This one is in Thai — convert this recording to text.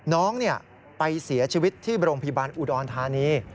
น้องไปเสียชีวิตที่โรงพยาบาลอุดรธานี